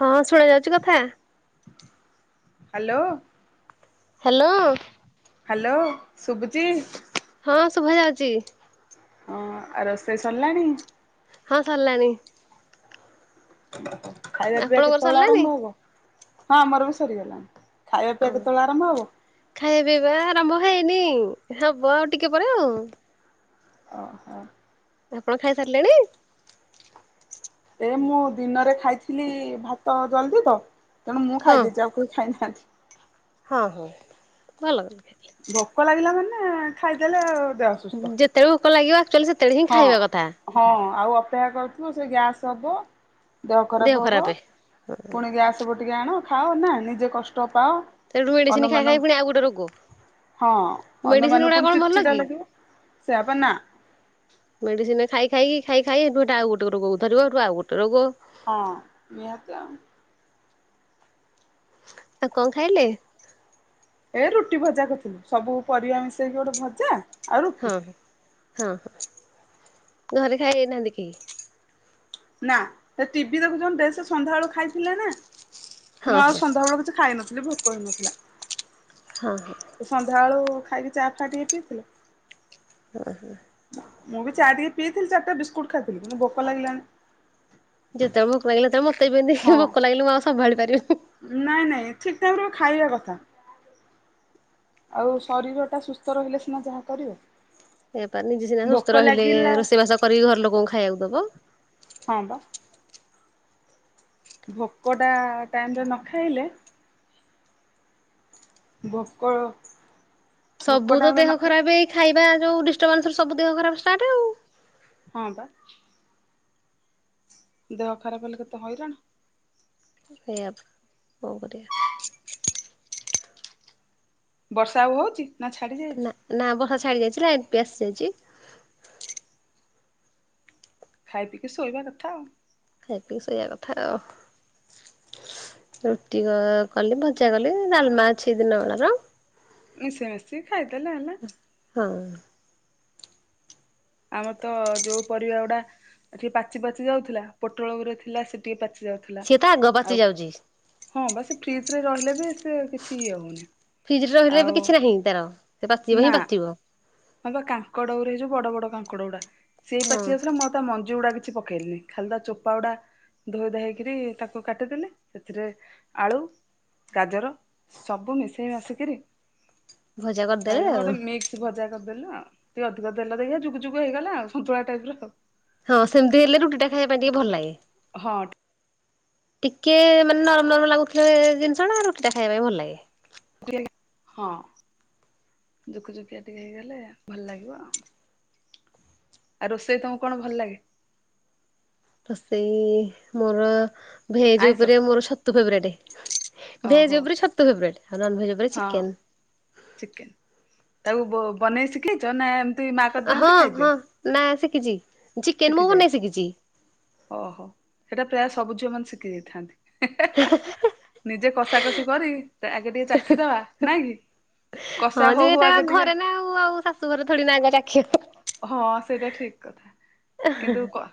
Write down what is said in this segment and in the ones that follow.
ହଁଁ ଶୁଣା ଯାଉଛି କଥା। ହାଲୋ। ହାଲୋ। ହାଲୋ ଶଭୁଚି? ହଁ ଶୁଭା ଯାଉଛି। ହଁ ଆଉ ରୋଷେଇ ସରିଲାଣି। ହଁ ସରିଲାଣି। ଖାଇବା ପିଇବା ଆପଣଙ୍କର କେତେବେଳେ ସରିଲାଣି ଆରମ୍ଭ ହବ। ହଁ ଆମର ବି ସରିଗଲାଣି। ଖାଇବା ପିଇବା ହଁ। କେତେବେଳେ ଆରମ୍ଭ ହବ? ଖାଇବା ପିଇବା ଆରମ୍ଭ ହେଇନି ହବ ଆଉ ଟିକେ ପରେ ଆଉ। ଓହୋ। ଆପଣ ଖାଇ ସାରିଲେଣି। ଏ ମୁଁ ଦିନରେ ଖାଇଥିଲି ଭାତ ଜଲ୍ଦି ତ ତେଣୁ ମୁଁ ହଁ ଖାଇଦେଇଛି ଆଉ। ସେ ଖାଇନାହାନ୍ତି? ହଁ ହଁ ଭଲ କରି ଭୋକ ଲାଗିଲା ମାନେ ଖାଇଦେଲେ ଆଉ ଯା ଯେତେବେଳେ ଭୋକ ଲାଗିବ ଆକଚୁଆଲି ସେତେବେଳେ ହିଁ ଖାଇବା କଥା। ହଁ ଆଉ ଅପେକ୍ଷା କରୁଥିଲୁ ସେ ଗ୍ୟାସ୍ ହବ ଦେହ ଖରାପ ହବ। ପୁଣି ଗ୍ୟାସ ବଟିକା ଆଣ ଖାଅ ନା ନିଜେ କଷ୍ଟ ପାଅ। ସେଠୁ ମେଡିସିନ ଖାଇ ଖାଇ ଅନ୍ୟମାନଙ୍କୁ ପୁଣି ଆଉ ଗୋଟେ ରୋଗ। ହଁ ମେଡିସିନ ଅନ୍ୟମାନଙ୍କୁ ଗୁଡା ପୁଣି କଣ ଚିଡ଼ ଭଲ ଚିଡ଼ା କି? ଲାଗିବ। ସେଇୟା ପା ନା। ମେଡିସିନ ଖାଇ ଖାଇ କି ଖାଇ ଖାଇ ହେଠୁ ଆଉ ଗୋଟେ ରୋଗକୁ ଧରିବ ଆଉ ଗୋଟେ ରୋଗ ହଁ ନିହାତି ଆଉ। ଆଉ କଣ ଖାଇଲେ? ଏ ରୁଟି ଭଜା କରିଥିଲି, ସବୁ ପରିବା ମିଶେଇକି ଗୋଟେ ଭଜା। ଆଉ ରୁଟି। ହଁ ହଁ ଘରେ ଖାଇ ନାହାନ୍ତି କେହି? ନା ସେ, ଟିଭି ଦେଖୁଛନ୍ତି, ଦେସେ ସନ୍ଧ୍ୟାବେଳୁ ଖାଇଥିଲେ ନା। ହଁ ମୁଁ ଆଉ ହଁ ସନ୍ଧ୍ୟା ବେଳୁ କିଛି ଖାଇନଥିଲି ଭୋକ ହେଇନଥିଲା। ହଁ ହଁ। ସନ୍ଧ୍ୟାବେଳୁ ଖାଇକି ଚା, ଫା, ଟିକେ ପିଇଥିଲେ। ହଁ ହଁ। ମୁଁ ବି ଚା ଟିକେ ପିଇଥିଲି, ଚାରିଟା ବିସ୍କୁଟ୍ ଖାଇଥିଲି, କିନ୍ତୁ ଭୋକ ଲାଗିଲାଣି। ଯେତେବେଳେ ଭୋକ ଲାଗିଲା ସେତେ ମତେ ହଁ ସେମିତି ଭୋକ ଲାଗିଲେ ମୁଁ ଆଉ ସମ୍ଭାଳି ପାରିବିନି। ହୁଁ- ନାଇଁ ନାଇଁ ଠିକ୍ ଟାଇମି ରେ ବି ଖାଇଆ କଥା। ଆଉ ଶରୀର ଟା ସୁସ୍ଥ ରହିଲେ ସିନା ଯାହା କରିବ। ସେଇଆ ପା ନିଜେ ସିନା ଭୋକ ସୁସ୍ଥ ରହିଲେ ଲାଗିଲା ରୋଷେଇବାସ କରିକି ଘର ଲୋକଙ୍କୁ ଖାଇଆକୁ ଦବ। ହଁ ବା। ଭୋକଟା ଟାଇମ୍ ରେ ନ ଖାଇଲେ। ଭୋକ। ଭୋକ ସବୁ ତ ଟାଇମରେ ଦେହ ନ ଖାଇଲେ ଖରାପ ଏଇ ଖାଇବା ଯୋଉ ଡିବାନ୍ସ ସବୁ ଦେହ ଖରାପ ଷ୍ଟାଟ୍ ଆଉ। ହଁ ବା। ଦେହ ଖରାପ ହେଲେ କେତେ ହଇରାଣ। ସେଇଆତ କଁ କରିଆ। ବର୍ଷା ଆଉ ହଉଚି, ନା ଛାଡି ଯାଇଚି। ନା ନା ବର୍ଷା ଛାଡ଼ି ଯାଇଥିଲା, ଏ ପି ଆସି ଯାଇଛି। ଖାଇ ପିଇକି ଶୋଇବା କଥା ଆଉ। ଖାଇ ପିଇକି ସୋଇଆ କଥା ଆଉ। ରୁଟି କ କଲି, ଭଜା କଲି, ଡାଲମା ଅଛି ଦିନ ବେଳ ର। ମିଶି ମାଶିକି ଖାଇଦେଲେ ହେଲା। ହଁ। ଆମର ତ ଯୋଉ ପରିବା ଗୁଡା ଟିକେ ପାଚି ପାଚି ଯାଉଥିଲା, ପୋଟଳ ଗୁରେ ଥିଲା ସେ ଟିକେ ପାଚି ଯାଉ ଥିଲା ସିଏ ତ ଆଗ ପାଚି ଆଉ ଯାଉଛି ହଁ ବା ସେ ଫ୍ରିଜ୍ ରେ ରହିଲେ ବି ସେ କିଛି ଇଏ ହଉନି। ଫ୍ରିଜ୍ ରେ ରହିଲେ ବି ଆଉ କିଛି ନାହିଁ ତାର ସେ ପାଚିବ ହିଁ ନା ପାଚିବ। ହଁ ବା କାଙ୍କଡ ଉଡେ ଏ ଯୋଉ ବଡ ବଡ କାଙ୍କଡ ଗୁଡା ସେ ବି ହଁ ପାଚି ଯାଉଥିଲା ମୁଁ ତା ମଞ୍ଜି ଗୁଡା କିଛି ପକେଇଲିିନି ଖାଲି ତା ଚୋପା ଗୁଡା ଧୋଇ ଧାଇକିରି ତାକୁ କାଟିଦେଲି ସେଥିରେ ଆଳୁ ଗାଜର ସବୁ ମିଶେଇ ମାସିକିରି ଭଜା କରିଦେଲେ ବାଇଗଣ ଆଉ ଗୋଟେ ମିକ୍ସ୍ ଭଜା କରିଦେଲୁ ଆଉ ଟିକେ ଅଧିକା ତେଲ ଦେଇକି ଯୁକ୍ ଯୁକ୍ ଯୁକା ହେଇଗଲା ଆଉ ସନ୍ତୁଳା ଟାଇପ୍ ର ଆଉ। ହଁ ସେମିତି ହେଲେ ରୁଟି ଟା ଖାଇବା ପାଇଁ ଟିକେ ଭଲ ଲାଗେ। ହଁ ଠିକ୍ ଟିକେ ମାନେ ନରମ ନରମ ଲାଗୁଥିଲେ ଜିନିଷ ଟା ରୁଟି ଟା ଖାଇବା ପାଇଁ ଭଲ ଲାଗେ। ହଁ ଯୁକୁ ଯୁକିଆ ଟିକେ ହେଇଗଲେ ଭଲ ଲାଗିବ ଆଉ। ଆଉ ରୋଷେଇ ତମକୁ କଣ ଭଲ ଲାଗେ? ତ ସେଇ ମୋର ଭେଜ୍ ଆଇଁଷ ଉପରେ ମୋର ଛତୁ ଫେବେରେଟ୍। ଓହୋ ଭେଜ୍ ଉପରେ ଛତୁ ଫେବେରେଟ୍ ଆଉ ନନ୍ ଭେଜ୍ ଉପରେ ଚିକେନ୍। ଚିକେନ୍ ତାକୁ ବନେଇ ଶିଖେଇଚ ନା ମା ହଁ କରିଦିଅନ୍ତି ଖାଇଦିଅ ହଁ ନା ଶିଖିଚି ଚିକେନ୍ ଶିଖି ମୁଁ ବନେଇ ଯାଇଛି ଶିଖିଚି। ଓହୋ ସେଇଟା ପ୍ରାୟ ସବୁ ଝିଅ ମାନେ ଶିଖି ଯାଇଥାନ୍ତି। ହେଁ ହେଁ ହେଁ। ନିଜେ କଷାକଷି କରି ଆଗେ ଟିକେ ଚାଖିଦବା ନାଇଁ କି? କଷା ହଁ ହଉ ଯେ ହଉ ଏଟା ଆଗେ ଟିକେ ଘରେ ନା ଆଉ ଆଉ ଶାଶୁ ଘରେ ଥୋଡିନା ଆଗେ ଚାଖି ହବ। ହଁ ସେଇଟା ଠିକ୍ କଥା କିନ୍ତୁ କ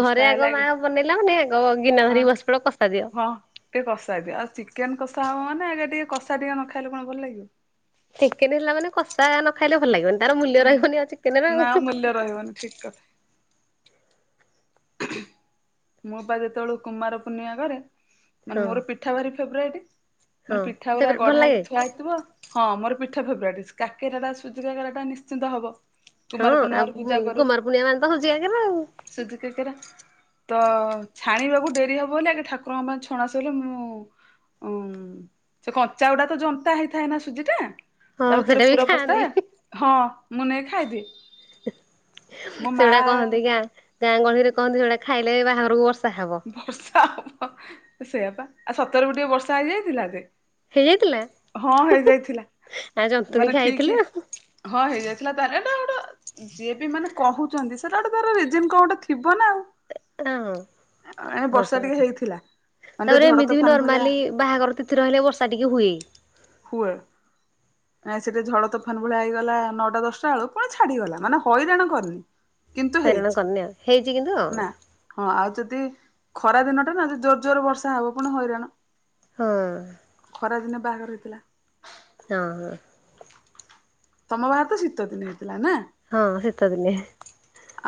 ଘରେ ଆଗ ମା ବନେଇଲା ମୁ ନିଏ ଆଗ ଗିନା ଆଁ ଧରିକି ବସିପଡ କଷା ଦିଅ। ହଁ। ଟିକେ କଷା ଦିଅ ଆଉ ଚିକେନ୍ କଷା ହବ ମାନେ ଆଗେ ଟିକେ କଷା ଟିକେ ନ ଖାଇଲେ କଣ ଭଲ ଲାଗିବ। ଚିକେନ୍ ହେଲା ମାନେ କଷା ନ ଖାଇଲେ ଭଲ ଲାଗିବନି ତାର ମୂଲ୍ୟ ହୁଁ ରହିବନି ଆଉ ଚିକେନ୍ ର ନା ହୁଁ। ମୂଲ୍ୟ ରହିବନି ଠିକ୍ କଥା। ମୁଁ ପା ଯେତେବେଳୁ କୁମାର ପୂର୍ଣ୍ଣିମା କରେ ହଁ। ମାନେ ମୋର ପି ପିଠା ଭାରି ଫେବରାଇଟ୍ ମାନେ ହଁ ପିଠା ପୁରା ଫେବରାଇଟ ଭଲ ଗଢା ହେଇକି ଲାଗେ ଥୁଆ ହେଇଥିବ ହଁ ମୋର ପିଠା ଫେବରାଇଟ୍ କାକେରା ଟା ସୁଜି କାକରାଟା ନିଶ୍ଚିନ୍ତ ହବ। ହଁ କୁମାର ଆଉ ପୂର୍ଣ୍ଣିମାରେ ଗୁ ପୂଜା କରୁ କୁମାର ପୂର୍ଣ୍ଣିମା ମାନେ ତ ହଉଚି ଏକେରେ ଆଉ। ସୁଜି କାକେରା ତ ଛାଣିବାକୁ ଡେରି ହବ ବୋଲି ଆଗେ ଠାକୁରଙ୍କ ପାଇଁ ଛଣା ସଇଲେ ମୁଁ ଉଁ ସେ କଞ୍ଚାଗୁଡା ତ ଜନ୍ତା ହେଇଥାଏ ନା ସୁଜି ଟା ହଁ ତା ସେଇଟା ଭିତରେ ବି ପୁର ପସ୍ ଖାଆନ୍ତି ଥାଏ ହଁ ମୁଁ ନେଇକି ଖାଇ ଦିଏ। ସେଗୁଟା କହନ୍ତି ଗାଁ ଗାଁ ଗହଳିରେ କହନ୍ତି ସେଟା ଖାଇଲେ ବାହାଘରକୁ ବର୍ଷା ହବ। ବର୍ଷା ହବ ସେଇଆ ବା ଆ ସତରେ ବି ଗୋଟିଏ ବର୍ଷା ହେଇଯାଇଥିଲା ଯେ। ହେଇଯାଇଥିଲା ହଁ ହୁ ହୁ ହେଇଯାଇଥିଲା। ଆଉ ମାନେ ଯନ୍ତୁଣୀ ଠିକ ଖାଇଥିଲେ ଆଉ। ହଁ ହେଇଯାଇଥିଲା ତାହେଲେ ଏଟା ଗୋଟେ ଯିଏ ବି ମାନେ କହୁଚନ୍ତି ସେଟା ଗୋଟେ ତାର ରିଜନ କଣ ଗୋଟେ ଥିବ ନା ଆଉ। ଆଉଁ ଏ ବର୍ଷା ସତ ଟିକେ କଥା ହେଇଥିଲା ମାନେ ଟିକେ ତାପରେ ଝଡ ଏମିତି ବି ତୋଫାନ ଭଳିଆ ନର୍ମାଲି ବାହାଘର ତିଥି ରହିଲେ ବର୍ଷା ଟିକେ ହୁଏ। ହୁଏ। ନାଇ ସେଟା ଝଡ ତୋଫାନ ଭଳିଆ ହେଇଗଲା ନଅଟା ଦଶଟା ଆଳୁ ପୁଣି ଛାଡିଗଲା ମାନେ ହଇରାଣ କରିନି। କିନ୍ତୁ ହାଇରାଣ ହେଇଛି କରନି ଆଉ ହେଇଚି କିନ୍ତୁ ନା ଆଉ। ହଁ ଆଉ ଯଦି ଖରା ଦିନଟା ନା ଯଦି ଜୋର ଜୋର ବର୍ଷା ହବ ପୁଣି ହଇରାଣ। ହଁ। ଖରାଦିନେ ବାହାଘର ହେଇଥିଲା। ହଁ ହଁ। ତମ ବାହାଘର ତ ଶୀତଦିନ ହେଇଥିଲା ନା? ହଁ ଶିତ ଦିନେ।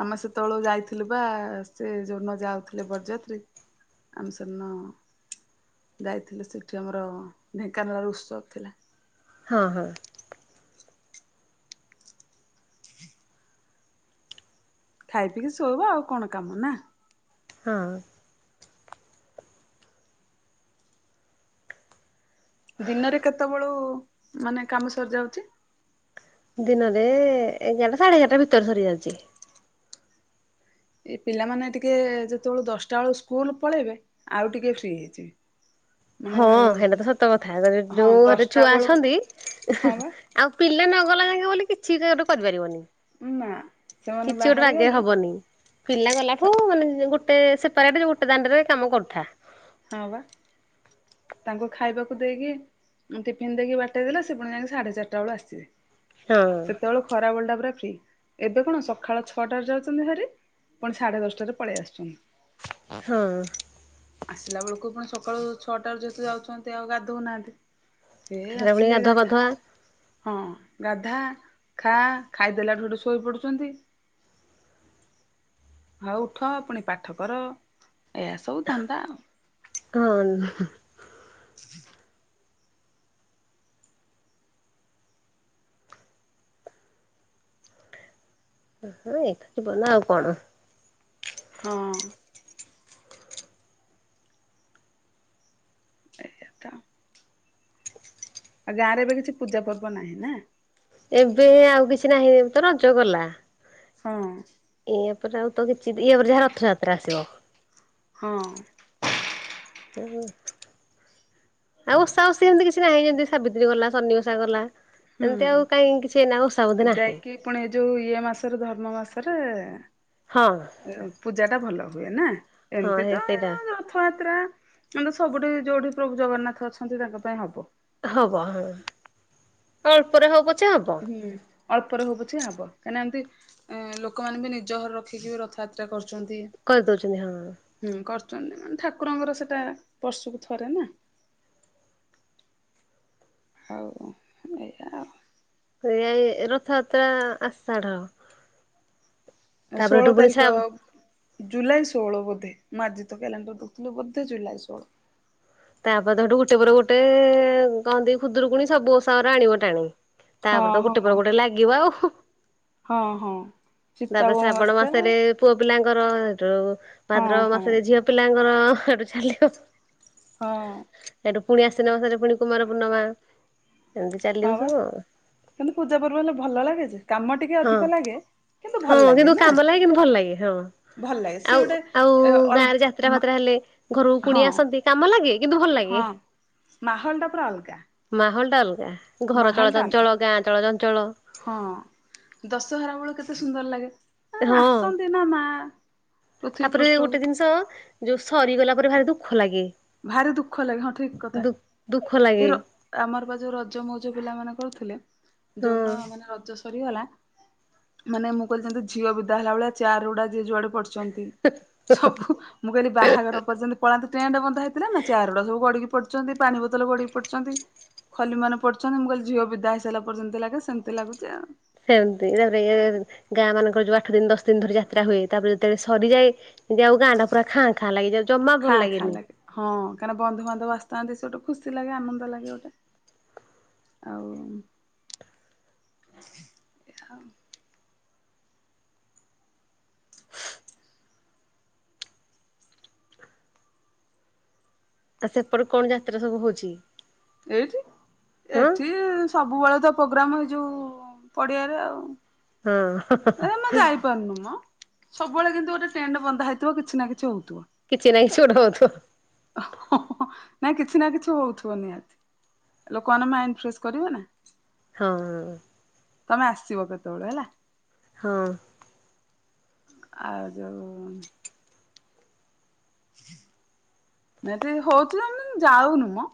ଆମେ ସେତେବେଳୁ ଯାଇଥିଲୁ ବା ସେ ଯୋନ ଯାଉଥିଲେ ବର୍ଯାତ୍ରୀ ଆମେ ସେ ଦିନ ଯାଇଥିଲେ ସେଠି ଆମର ଢେଙ୍କାନାଳ ର ଉତ୍ସବ ଥିଲା। ହଁ ହଁ। ଖାଇ ପିକି ଶୋଇବ ଆଉ କଣ କାମ ନା। ହଁ। ଦିନରେ କେତେବେଳୁ ମାନେ କାମ ସରିଯାଉଚି। ଦିନରେ ଏଗାରଟା ସାଢେ ଏଗାରଟା ଭିତରେ ସରି ଯାଉଚି। ଏ ପିଲାମାନେ ଟିକେ ଯେତେବେଳୁ ଦଶଟା ଆଳୁ ସ୍କୁଲ ପଳେଇବେ ଆଉ ଟିକେ ଫ୍ରି ହେଇଯିବି। [inaudible] ହଁ ହେଟା ତ ସତ କଥା ଯ ଯ ହଁ ଯୋଉ ଘରେ ଦଶଟା ଛୁଆ ବେଳୁ ଅଛନ୍ତି ହଁ ବା ଆଉ ପିଲା ନ ଗଲା ଜାଙ୍କେ ବୋଲି କିଛି କେ ଦୁ କରିପାରିବନି। ନା ସେମାନେ କିଛି ଗୋଟେ ବାହାରି ବାଗେଇ ଗଲେ ହବନି। ପିଲା ଗଲାଠୁ ମାନେ ଜଉ ଗୋଟେ ସେପାରେଟ ଯୋଉ ଗୋଟେ ଦାଣ୍ଡରେ କାମ କରୁଥା। ହଁ ବା ତାଙ୍କୁ ଖାଇବାକୁ ଦେଇକି ଉଁ ଟିଫିନ ଦେଇକି ବାଟେଇ ଦେଲେ ସେ ପୁଣି ଯାଇକି ସାଢେ ଚାରିଟା ବେଳୁ ଆସିବେ ହଁ ସେତେବେଳୁ ଖରା ଓଲଟା ପୁରା ଫ୍ରି ଏବେ କଣ ସକାଳ ଛଅଟାରେ ଯାଉଛନ୍ତି ହାରି ପୁଣି ସାଢେ ଦଶଟାରେ ପଳେଇ ଆସୁଛନ୍ତି। ହଁ। ଆସିଲା ବେଳକୁ ପୁଣି ସକାଳୁ ଛଅଟା ରୁ ଯେହେତୁ ଯାଉଛନ୍ତି ଆଉ ଗାଧୋଉନାହାନ୍ତି ସେ ହେଲା ପୁଣି ଆସିଲେ ଗାଧୁଆ ପାଧୁଆ ଗାଧା ହଁ ଗାଧା ଖା ଖାଇଦେଲାଠୁ ହେଟୁ ଶୋଇ ପଡୁଛନ୍ତି। ହେ ଉଠ ପୁଣି ପାଠ କର ଏଇଆ ସବୁ ଧନ୍ଦା ଆଉ। ହଁ [inaudible] [inaudible] ଓ ହଁ ଏଇତ ଯିବନ ଆଉ କଣ? ହଁ। ସେଇଆ ତ ଆଉ ଗାଁ ରେ ଏବେ କିଛି ପୂଜା ପର୍ବ ନାହିଁ ନା। ଏବେ ଆଉ କିଛି ନାହିଁ ତ ରଜ ଗଲା। ହଁ। ଇଏ ପରେ ଆଉ ତ କିଛି ଇଏ ପରେ ଯାହା ରଥଯାତ୍ରା ଆସିବ। ହଁ। [unintelligible] ଆଉ ଓଷା ଓଷି ସେମିତି କିଛି ନାହିଁ ଯେମିତି ସାବିତ୍ରୀ ଗଲା ସନି ଓଷା ଗଲା ହୁଁ ସେମିତି ଆଉ କାଇଁ କିଛି ଏନା ଓସା ବୋଧେ ନାହିଁ। ଯାଇକି ପୁଣି ଏ ଯୋଉ ଇଏ ମାସରେ ଧର୍ମ ମାସରେ ହଁ ଏଉ ପୂଜା ଟା ଭଲ ହୁଏ ନା ହଁ ଏମତି ତ ଅ ସେଇଟା। ର ରଥଯାତ୍ରା ମ ତ ସବୁଠି ଯୋଉଠି ପ୍ରଭୁ ଜଗନ୍ନାଥ ଅଛନ୍ତି ତାଙ୍କ ପାଇଁ ହବ। ହବ ହଁ ଅଳ୍ପରେ ହଉ ପଛେ ହବ। ହୁଁ ଅଳ୍ପରେ ହଉ ପଛେ ହବ। କାହିଁକି ନା ଏମିତି ଲୋକମାନେ ବି ନିଜ ଘରେ ରଖିକି ବି ରଥଯାତ୍ରା କରୁଛନ୍ତି। କରିଦଉଛନ୍ତି ହଁ। ହୁଁ, କରୁଛନ୍ତି ମାନେ ଠାକୁରଙ୍କର ସେଟା ବର୍ଷକୁ ଥରେ ନା। ଆଉ କଣ ଏଇଆ ଆଉ। ଏଇଆ ଏଇ ରଥଯାତ୍ରା ଆଷାଢ। ତାପରେ ହେଠୁ ଷୋଳ ପୁଣି ତାରିଖ ଶ୍ରାବ ଜୁଲାଇ ଷୋହଳ ବୋଧେ ମୁ ଆଜି ତ କ୍ୟାଲେଣ୍ଡର ଦେଖୁଥିଲି ବୋଧେ ଜୁଲାଇ ଷୋହଳ। ତାପରେ ତ ହେଠୁ ଗୋଟେ ପରେ ଗୋଟେ କଣନ୍ତି, ଖୁଦରୁକୁଣି ସବୁ ଓଷା ଅରା ଆଣିବ ଟାଣି। ତାପରେ ତ ହଁ ଗୋଟେ ହଁ ପରେ ଗୋଟେ ଲାଗିବ ଆଉ। ହଁ ହଁ, ଚିତା ତାପରେ ବ ଶ୍ରାବଣ ଅମାବାସ୍ୟା ମାସରେ ପୁଅ ପିଲାଙ୍କର, ସେଠୁ ହଁ ଭାଦ୍ରବ ହଁ ମାସରେ ଝିଅ ପିଲାଙ୍କର। ସେଠୁ ଚାଲିବ। ହଁ। ହେଠୁ ପୁଣି ଆଶ୍ଵିନ ମାସରେ ପୁଣି କୁମାର ପୂର୍ଣ୍ଣିମା, ଏମିତି ହଁ ଚାଲିବ ବା ସବୁ ଆଉ। କିନ୍ତୁ ପୂଜା ପର୍ବ ହେଲେ ଭଲ ଲାଗେ ଯେ। କାମ ଟିକେ ହଁ, ଅଧିକ ଲାଗେ କିନ୍ତୁ ଭଲ ହଁ, ଲାଗେ କିନ୍ତୁ ନା କାମ ଲାଗେ କିନ୍ତୁ ଭଲ ଲାଗେ ହଁ। ଭଲ ଲାଗେ ସିଏ ଆଉ ଗୋଟେ ଆଉ ଏ ଗାଁ ଅଲ ରେ ଯାତ୍ରା ମା ଫାତ୍ରା ହେଲେ ଘରକୁ ହଁ କୁଣିଆ ଆସନ୍ତି କାମ ଲାଗେ। କିନ୍ତୁ ଭଲ ଲାଗେ। ହଁ। ମାହୋଲ ଟା ପୁରା ଅଲଗା। ମାହୋଲ ଟା ଅଲଗା। ଘର ମାହୋଲ ଟା ଅଲଗା ଚଳଚଞ୍ଚଳ, ଗାଁ ଚଳଚଞ୍ଚଳ। ହଁ ଦଶହରା ବେଳକୁ କେତେ ସୁନ୍ଦର ଲାଗେ। ହଁ, ଆସନ୍ତି ନା ମା ପୃଥିବୀ ତାପରେ ପୃଷ୍ଠକୁ ଗୋଟେ ଜିନିଷ ଯୋଉ ସରିଗଲା ପରେ ଭାରି ଦୁଃଖ ଲାଗେ। ଭାରି ଦୁଃଖ ଲାଗେ ହଁ ଠିକ କଥା। ଦୁ ଦୁଃଖ ଏ ଲାଗେ ର ଆମର ବା ଯୋଉ ରଜ ମଉଜ ପିଲାମାନେ କରୁଥିଲେ, ହଁ ଯୋଉ ଦିନ ମାନେ ରଜ ସରିଗଲା ମାନେ ମୁଁ କହିଲି ଯେମିତି ଝିଅ ବିଦା ହେଲା ଭଳିଆ ଚେୟାର ଗୁଡ଼ା ଯିଏ ଯୁଆଡ଼େ ପଡିଛନ୍ତି। ସବୁ ମୁଁ କହିଲି ବାହାଘର ପରେ ଦେଖନ୍ତି ପଳାନ୍ତି, ଟେଣ୍ଟ ବନ୍ଧା ହେଇଥିଲା ନା, ଚେୟାର୍ ଗୁଡ଼ା ସବୁ ଗଡି଼କି ପଡ଼ିଛନ୍ତି। ପାଣି ବୋ ଗଡିକି ପଡିଛନ୍ତି, ଖଲି ମାନେ ପଡିଛନ୍ତି। ମୁଁ କହିଲି ଝିଅ ବିଦା ହେଇସାରିଲା ପରେ ଯେମିତି ଲାଗେ ସେମିତି ଲାଗୁଛି ଆଉ। ସେମତି, ତାପରେ ଗାଁ ମାନଙ୍କର ଯୋଉ ଆଠ ଦିନ, ଦଶ ଦିନ ଧରିକି ଯାତ୍ରା ହୁଏ, ତାପରେ ଯେତେବେଳେ ସରିଯାଏ ଏମତି ଆଉ ଗାଁ ଟା ପୁରାଁ ଖାଁ ଲାଗେ ଯାଉ ଜମା ଖାଁ ଭଲ ଖାଁ ଲାଗେନି। ଲାଗେ ହଁ କାହିଁକ ନା ବନ୍ଧୁବାନ୍ଧବ ଆସି ଥାଆନ୍ତି, ସେ ଗୋଟେ ଖୁସି ଲାଗେ, ଆନନ୍ଦ ଲାଗେ ଗୋଟେ। ଆଉ ଆଉ ସେପଟେ କଣ ଯାତ୍ରା ସବୁ ହଉଛି? ଏଇଠି? ହଁ ଏଠି ସବୁବେଳେ ତ ପ୍ରୋଗ୍ରାମ ହେଇଯୋଉ ପଡିଆରେ ଆଉ। ହଁ। ପାରୁନୁ ମ ସବୁବେଳେ କିନ୍ତୁ ଗୋଟେ ଟେଣ୍ଟ୍ ବନ୍ଧା ହେଇଥିବ କିଛି ନା କିଛି ହଉଥିବ। କିଛି ନା କିଛି ଗୋଟେ ହଉଥିବ। ନାଇଁ କିଛି ନା କିଛି ହଉଥିବ ନିିହାତି। ଲୋକ ମାଇଣ୍ଡ ଫ୍ରେଶ କରିବ ନା। ହଁ। ତମେ ଆସିବ କେତେବେଳେ ହେଲା। ହଁ। ଆଉ ଯୋଉ ନାଇଁ ଏଠ ହଉଛି ଆମେ ଯାଉନୁ ମଁ।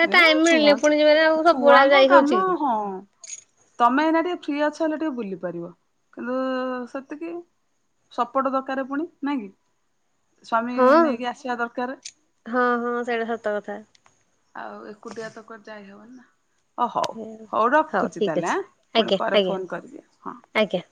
ଏ ଏଁ ଟାଇମ ମିଳିଲେ ପୁଣି ଯିବ ନା ଆଉ ସବୁବେଳେ ଛୁଆ-ଛୁଆଙ୍କ ଯାଇ ହଉଛି କାମ କି ହଁ। ତମେ ଏଇନା ଟିକେ ଫ୍ରି ଅଛ ହେଲେ ଟିକେ ବୁଲି ପାରିବ କିନ୍ତୁ ସେତିକି ସପୋର୍ଟ ଦରକାର ପୁଣି ନାଇଁ କି ସ୍ଵାମୀ ହଁ ନେଇକି ଆସିବା ଦରକାର। ହଁ ହଁ ସେଇଟା ସତ କଥା। ଆଉ ଏକୁଟିଆ ତ କୁଆଡେ ଯାଇ ହବନି ନା। ଓ ହଉ ହଉ ରଖୁଛି ଠିକ୍ ତାହେଲେ ଅଛି ଆଁ ପୁଣି ଆଜ୍ଞା ପରେ ଆଜ୍ଞା ଫୋନ କରିବି ହଁ। ଆଜ୍ଞା